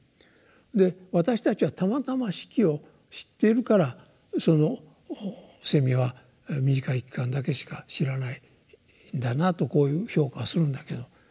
で私たちはたまたま四季を知っているからそのセミは短い期間だけしか知らないんだなとこういう評価をするんだけど。